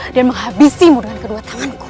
dan menghabisimu dengan kedua tanganku